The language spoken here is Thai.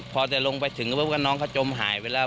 พอจะลงไปถึงก็พบว่าน้องเขาจมหายไปแล้ว